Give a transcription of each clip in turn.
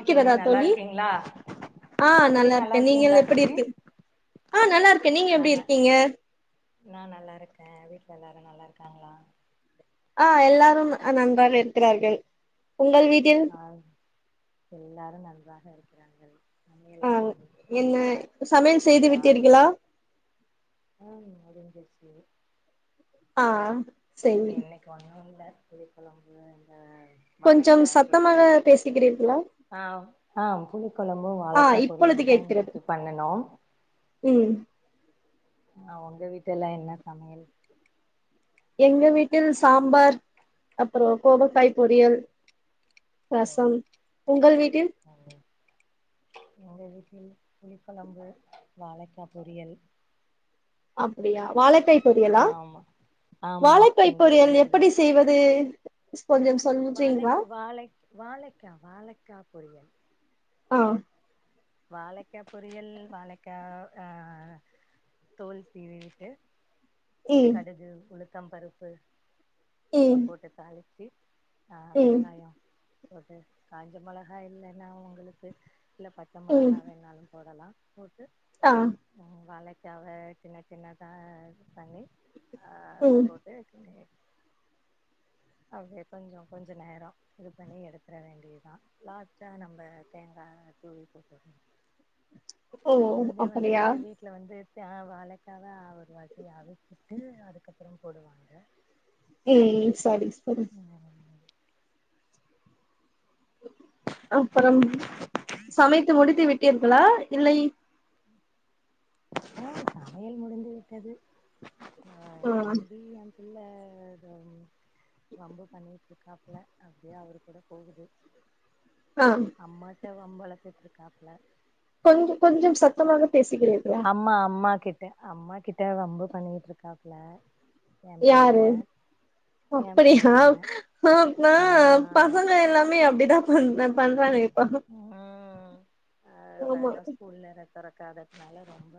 ம் நல்லா தோழி இருக்கீங்களா ஆஹ் தோழி நல்லா இருக்கே இருக்கீங்களா நீங்கள் எப்டி தோழி இருக்க ஆ நல்லாருக்கே நீங்க எப்டி நானா இருக்கீங்க நா நல்லா இருக்கே வீட்டுல எல்லாரு நல்லாருக்காங்களா ஆ எல்லாரு நன்றாக இருக்குறார்கள் ஆ எல்லாரு நன்றா இருக்கிறாங்க ஆ என்ன சமையல் செய்து சாப்ட்டீங்களா விட்டீர்களா ம் முடிஞ்சிருச்சு ஆ சரி என்னைக்கு வாங்கும்ல புளிக்கொழம்பு இந்த கொஞ்சம் வாழைக்கா சத்தமாக பொரியல் பேசுகிறீர்களா ஆம் ஆம் புளிக்கொழம்பு ஆ வாழைக்காய் இப்பொழுது பொரியல் தா கேட்கிறது இன்னைக்கு பண்ணுணோ ம் ஆ உங்க வீட்டுலா என்ன சமையல் எங்க வீட்டில் சாம்பார் அப்பற கோவக்காய் பொரியல் ஓ ரசம் உங்கள் வீட்டில் புளிகொழம்பு வாழைக்கா பொரியல் அப்டியா வாழக்காய் பொரியலா ஆமா ஆமா வாழைக்காய் இன்றைய பொரியல் தினோ எப்படி இதோட செய்வது கொஞ்சம் சொல்றீங்களா வாழைக் வாழைக் வாழைக்கா வாழைக்கா புரியும் ஆ வாழைக்கா பொரியல் வாழைக்கா அ தோல் சீவி விட்டு ம் கடுகு உளுத் த்தம் பருப்பு அ ம் போட்டு தாளிச்சி ஆ ம் வெங்காயோ போட்டு காஞ்ச மொளகா இல்லன்னா உங்களுக்கு இல்ல பச்ச ம் மொளகா வேணாலு போடலாம் ஆ க்காவ சின்ன சின்னதா பண்ணி ஆ அதுல ம் போட்டு கிண்டி அப்டியே கொஞ்சோ கொஞ்சநேரம் இது பண்ணி எடுத்துட வேண்டியதுதா லாஸ்ட்டா நம்ம தேங்கா தூவிட்டு சரி ஓ இங்க வந்து அப்படியா வீட்ல வந்து சா வாழைக்காவ ஒரு வாட்டி அவிச்சிட்டு அதுக்கப்பறம் போடுவாங்க ம் சரி சரி ம் அப்பறம் சமைத்து முடித்து விட்டீர்களா இல்லை ஆ சமையல் முடிந்து விட்டது அ ஆ தம்பி இல்ல அது வந் வம்பு பண்ணி ட்டுருக்காப்புல அப்டியே அவரு கூட போகுது ஆ கிட்ட வம்பு வழத்துட்டு இருக்காப்புல கொஞ்சம் கொஞ்சம் சத்தமாக பேசுகிறீர்களா அம்மா அம்மா கிட்ட அம்மா கிட்ட வம்பு பண்ணிட்டு இருக்காப்புல எ பைய யாரு எ அப்படியா பைய ஆ ஆ பசங்க எல்லாமே அப்டிதா பண் பண்றானுங்க ம் அது ஆமா காலைல ஸ்கூல் வேற தொறக் க்காததுனால ரொம்ப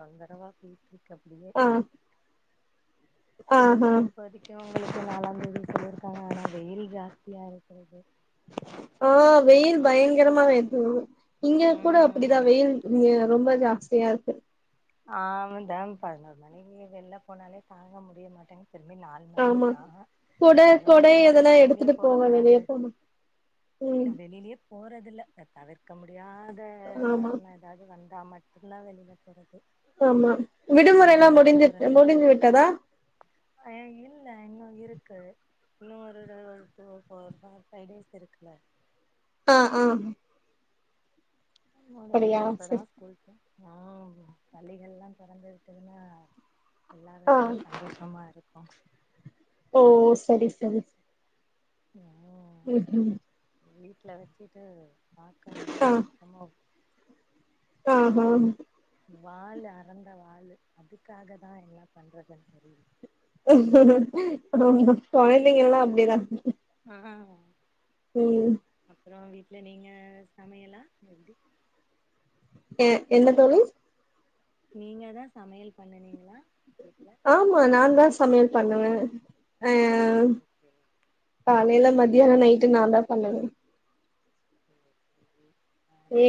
தொந்தரவா போய்ட்டு இருக்கு இல்ல ஆ ஸ்கூல் தா ஆஹா இப்போதிக்கு ளுக்கு நாலாந்தேதி சொல்லிருக்காங்க ஆனா வெயில் ஜாஸ்தியா இருக்கிறது ஆ வெயில் பயங்கரமா இருக்குது இங்க கூட அப்படிதா ம் வெயில் இங்க ரொம்ப ஜா சயா இருக்கு ஆமா தம் பதினொரு மணிக்கு வெள்ல போனாலே தாங்க முடிய மாட்டேங் திரும்பி நாலு மணி ஆமா ஆஹா கொட கொடை பதினொன்ட்டுனால எதனா வெளியிலயே எடுத்துட்டு போக போங்க வெளிய கூடாது போனா ம் இன்ன வெளியிலயே போறதுல சா தவிர்க்க முடி யாத ஆமா காரண ஏதாவது வந்து நா மட்டுந்தா வெளியில போறது ஆமா விடுமுறைலா இல்லன்னா முடிஞ்சுற் முடிஞ்சு விட்டதா அன் இல்ல இன்னு இருக்கு இன்னு ஒரு ஒரு ஃபோர் ஃபைவ் டேஸ் இருக்குல ஆ ஆ முடிங்க அப்டியா இப்பதா சரி ஸ்கூலக்கு ஆ பள்ளிகளா தொரந்துருக்குல ஆ எல்லாருக்கு சந்தோஷமா இருக்கு [inaudible] ஓ சரி சரி ம் ம் ம் வீட்ல வச்சுட்டு பாக்க முடியல சுத்தமா ஆ ஆ வாள் அறந்த வாள் அதுக்காக தா என்ன பண்றதுன்னு தெரியல ஆ கொழந்தைங்கல்லா அப்டிதா ஆ ம் அப்ற இல்ல நீங்க சமையலா எப்டி ஆ என்ன தோழி நீங்க தா சமையல் பண்ணனீங்களா ஆமா நாந்தா சமையல் பண்ணுவே அ ஆ ஓகே காலையில மத்தியான நீங்க நைட்டு நாந்தா பண்ணுவே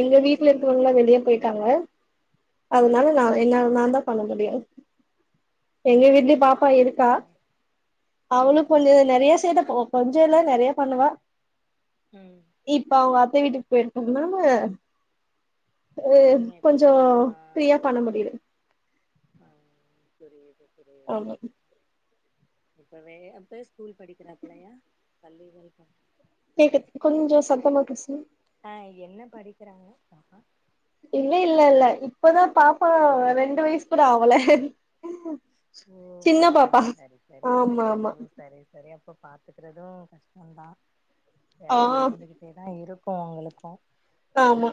எங்க வீட்டுல இப்பவே இருக்கவங்கல்லா யோசிச்சு வெளிய போயிட்டாங்க வச்சுட்டீங்களா ஆ அதனால ஆ நா என்ன நாந்தா பண்ண முடியு எங்க வீட்லயு பாப்பா சேரிங்க இருக்கா சேரிங்க ம் அவளு கொஞ்ச ம் ம் நெறைய சேட்ட போ கொஞ்சல்ல நெறையா பண்ணுவா ம் இப்ப அவங்கப் அத்த வீட்டுக்கு போயிருக்காங்க ஆ அது நீங்க இப்ப கொஞ்ச கொஞ்சோ ஃப்ரியா பண்ண முடியு ஆ சரிங்க அல்லது இப்பவே அப்ப ஸ்கூல் படிக்கிறாக்குறாங்க இல்லையா பள்ளிகள் கேக்குது கொஞ்ச சத்தமா பேசுங்க ஆஹ என்ன படிக்கிறாங்க பாப்பா இல்ல இல்ல இல்ல இப்பதா பாப் ஆ ரெண்டு வயசு கூட ஆவல ப்பா சின்ன பாப்பா சரி சரி ஆமா ஆமா ஓ சரி சரி இப்ப பாத்துக்குறது கஷ்டந்தா ஆ வேல இருந்துகிட்டேதா இருக் கு உங்களுக்கு ஆமா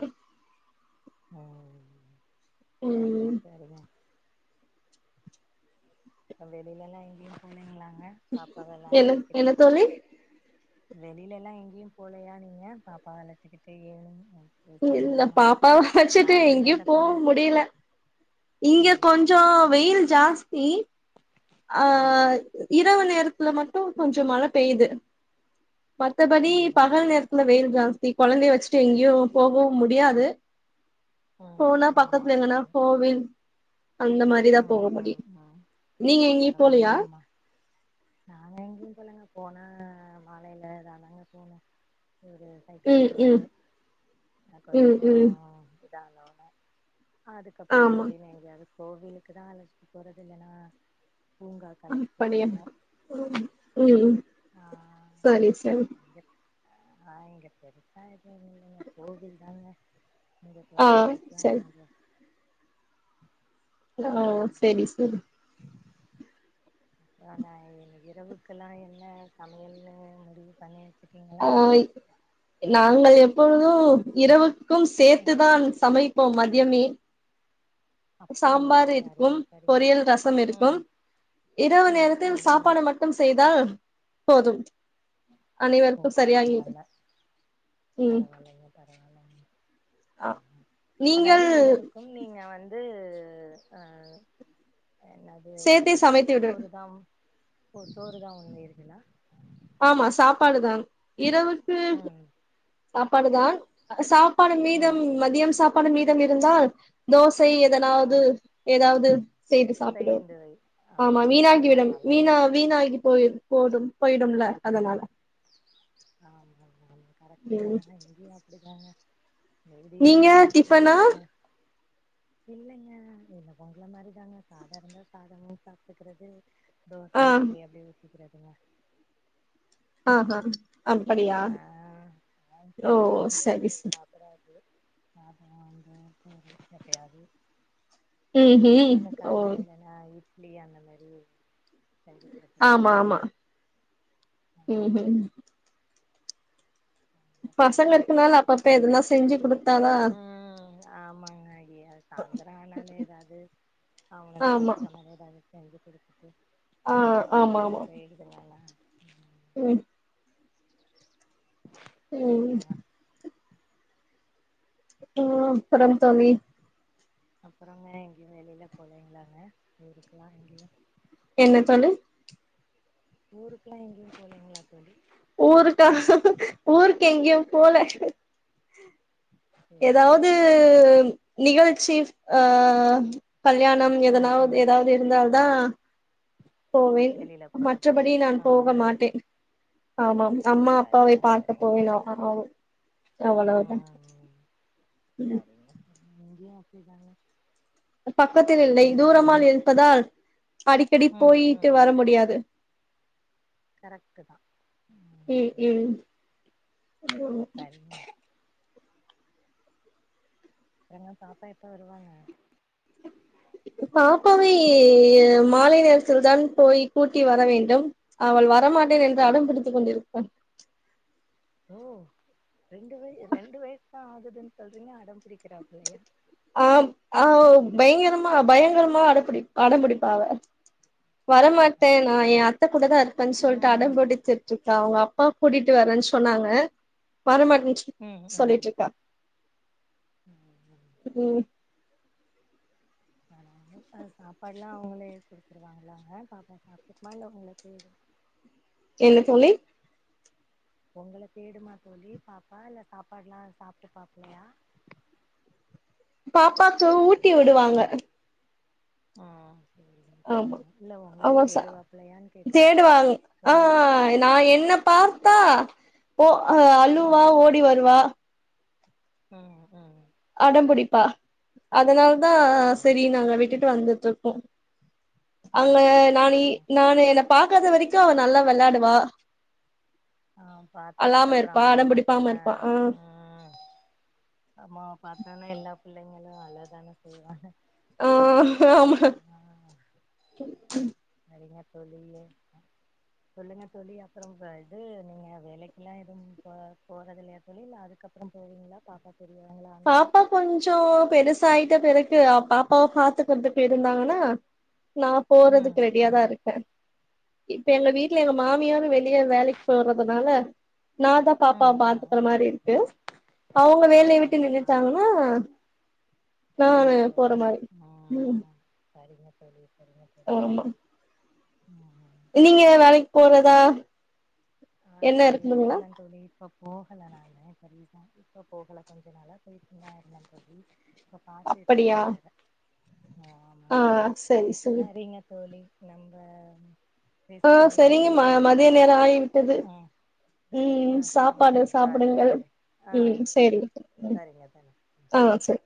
ம் சரிங்க ம் சரிங்க வெளியில லா எங்கேயு போனீங்களாங்க என்ன என்ன தோழி வெளியிலலா எங்கயு போலயா நீங்க பாப்பாவலா அழைச்சிக்கிட்டு ஏணு இல்ல பாப்பாவ வச்சுட்டு எங்கயு போ நேரத்துல முடியல இங்க கொஞ்ச ம் வெயில் ஜா ஜாஸ்தி ஆ இரவு நேரத் த்துல மட்டு கொஞ்ச மழ பெய்யுது மத்தபடி பகல் பரவாயில்லங்க நேரத்துல வெயில் பரவாயில்ல ஜாஸ்தி கொழந்தைய வச்சு எங்கயு போகவு முடியாது ம் போனா ஆமா பக்கத்துல எங்கண்ணா கோவில் அந்த மாரிதா ம் போக முடியு ம் ம் நீங்க எங்க போலயா பரவாயில்லைங்கம்மா நாங்க எங்கேயு போலங்க போன மாலையில தானாங்க போனு ஒரு சைக்கிள் ம் ம் ஓட்டுவாரு அ ம் கொஞ்சோ ம் இதனோன அதுக்கப்புற ஆமா அப்டின்னு எங்கயாது கோவில்லு அதுக்குதா ஆலோசிக் போறது இல்லனா அப்டியா ம் ம் ம் சரி சரி ஆஹ் இங்க பெருசா எதுவு இல்லைங்க கோவில் தாங்க நீங்க ஆ பொறுத்த வரைக்கு சரி வாங்கங்க ஆ சரி சரி ஆ நா இரவுக்கெல்லாம என்ன சமையல்னு முடிவு பண்ணியாச் ஆ நா தங்கள் எப்பொழுது இரவு க்கும் ம் சேத்துதான் சமை இப்போ மதியமே அப்படிங்களா சாம்பார் இருக்கும் சரிங்க சரிங்க பொரியல் ரசம் இருக்கும் ம் இரவு ம் நேரத்தில் ம் ம் சாப்பாடு மட்டும் செய்தால் போதும் அனைவர் பூ பரவால்ல ம் பரவாலங்க பரவால்ல ஆ அதாவது நீங்கள் இரவுக்கு நீங்க வந் வந்து அ என்னது சேர்த்தே சமைத்து விடு சோறுதாம் ஓ சோறுதா ஒண்மை இருக்குன்னா ஆமா சாப்பாடுதான் இரவுக்கு ம் சாப்பாடுதான் அ சா பாடு மீதம் ம் மதியம் சாப் பாடு மீதம் இருந்தால் தோஸ் சை ஆ எதனாவது ஏதாவது செய்து சாப்பிடுவோ சேர்ந்து வை ஆ ஆமா வீணாகிவிடும் பரவால்லைங்க வீனா வீணாகி போய போதும் போய ம்ல அதனால ஆமா ஆமா ம் கரக்ட்தான இங்கயு அப் டிதாங்க எடி நீங்க இருந்தா மோஸ்லி டிஃபனா அ இல்லைங்க உங்கள மாரிதாங்க சாதம் இருந்தா சாதமே சாப்டுக்கிறது ஆ தோசை இட்லி அப்டி க்கறதுங்க ஆஹா அப்படியா என் ஓ சரி சரி சாதோ வந்து [unintelligible] எப்பயாது ம்ஹூம் ஓ இட்லி அந்த மேரி செஞ்சி ஆமா குடுக்துட்றதுங்க ஆமா ஆ ம் ம் பசங்க இருக்கனால அப்பப்ப எதுனா செஞ்சு குடுத்தாதா ம் ஆமாங்க ஐய சாய்ந்தர ஆனாலே ஏதாவது அவனுக்கு ஆமா சாப்புட்ற மாரி ஏதாவது செஞ்சி குடுத்துட்டு ஆ ஆமா அப்டி ஆமா போயிடுது வேல உம்ம் ம் ம் அவ்ளோதா ஆ அப்பறம் கவி அப்பறங்க எங்கையு வெளியில போலங்களாங்க ஊருக்கெல்லா எங்கையு என்ன தோழி ஊருக்குல்லா எங்கையு போலீங்களா தோழி ஊருக்கா ஊருக்கு எங்கையு போல சேரிங்க ஏதாவது சேரிங்க நிகழ்ச் சி அ கல்யாணம் ம் எதனாவது ம் ஏதாவது இருந்தால்தா ம் போவே வெளியில போறது மற்றபடி உண்டு நான் போக ம் மாட்டே ஆமாம் அம்மா அப்பாவை சரிங்க பார்க்க சரிங்க போவே நா ஆ ஆ அவ் அவ்வளவுதான் ம் சரிங்க தாங்க பக்கத்தில் இல்லை தூரமா இருப்பதால் அடிக்கடி ம் போயிட்டு ம் வர முடியாது கரெக்ட்டு தா ம் ம் ம் சரிங்க உங்க பாப்பா எப்ப வருவாங்க பாப்பாவை மாலை நேரத்தில் தான் போய் கூட்டி வர வேண்டும் அவள் வ வர மாட்டேன் என்று ம் அடம் பிடித்து கொண்டிரு ப ஓ ரெண்டு வய ரெண்டு வயசு தா ஆகுதுன்னு சொல்றீங்க அட பிடிக்கிறா இப்பயே ஆம் ஆ ஒபயங்கரமா பயங்கரமா அடம்பிடி அடம்பிடிப்பா அவ வரமாட்டே நா பரவால்லைங்க எ ஓ அத்த கூட தா இருப்பேன்னு சொல்லிட்டு ம் அடம்புடிசிட்டு அது அவங்க அப்பா கூட்டிட்டு வரன்னு சொன்னாங்க வரமாட் ம் ம் சொல்லிட்ருக்கா ம் ம் சாப்பாடுலா அவுங்களே குடுத்துருவாங்ளாங்க பாப்பா சாப்டுக்மா இல்ல உங்ளுக்கு என்ன தோழி உங்கள தேடுமா தோழி பாப்பா இல்ல சாப்பாடுலா சாப்ட்டுப்பாப்டியா பாப்பாக்கு ஊட்டி விடுவாங்க ஆ ஆமா ஆமா ச தேடுவாப்பலையான்னு கேக்குறே தேடுவாங் ஆ உங்க நா என்ன பார்த்தா போ அ ம் அழுவா ஓடி வருவா ம் ம் அடம் புடிப்பா அதனால ஓ சரின் நாங்க விட்டுட்டு வந்து ட்டோ அங்க சரிங்க நானி சரிங்க நானு என்ன பா பாக்காத வரைக்கும் அவன் நல்லா வெளையாடுவா ஆ பாத்ததுக்கு அப்பறம் அம்மாவை அடம்புடிப்பாம பாத்தோன்னே இருப்பா ஆ ம் அம்மாவ பாத்துவுனே எல்லா புள்ளைங்களும் அழதானே செய்வாங்க ஆ ஆமா ஆ தோழியே சொல்லுங்க தோழி அப்பறம் இது நீங்க வேலைக்கு எல்லாம் எதுவும் போ போறது இல்லையா தோழி இல்ல அதுக்கப்பறம் போவீங்களா பாப்பா பெரியவங்களா ஆனோனே பாப்பா கொஞ்சம் பெருசாயிட்ட பெறகு க்கு பாப்பாவ பாத்துக்கறதுக்கு இருந்தாங்கன்னா நான் ம் போறதுக்கு ரெடியாதான் ம் இருக்கே இப்ப எங்க வீட்ல சரிங்க எங்க தோழி மாமியாரும் சரிங்க வெளியே வேலைக்கு போறதுனால நாதான் பாப்பா ம் ம் பாத்துக்கற மாரி இருக்கு அவுங்க வேலையை விட்டு ஆமாங்கப்பா ட்டாங்கன்னா நீங்க நானு போற மாரி ம் செரிங்க தோழி சரிங்க தோழி ஆமா ம் ம். இல்லீங்க வேலைக்கு போறதா ஆ எண்ண இருக்குதுங்களா பேசுன தோழி இப்போ போகல நானு இப்போ ரீச இப்ப போகல கொஞ்ச நாளா போய்ட்ருந்தே தோழி இப்ப அப்படியா பாத்துகிட்ருக்க வேற ஆ ஆ ஆமாங்க தோழி சரி சரி சரிங்க தோழி நம்ப ஆ செரிங்க ம மதிய நேரொ ஆயி விட்டது ஆ ஆ ம் சரிங்க சாப்பாடு தோழி பாருங்க சாப்டுங்கள் தோழி ஆ ம் சேரிங்க சரிங்க தோழி ஆ சேரி